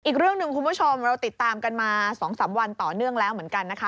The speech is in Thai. อีกเรื่องหนึ่งคุณผู้ชมเราติดตามกันมา๒๓วันต่อเนื่องแล้วเหมือนกันนะคะ